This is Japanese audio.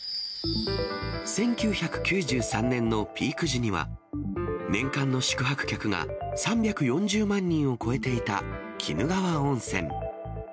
１９９３年のピーク時には、年間の宿泊客が３４０万人を超えていた鬼怒川温泉。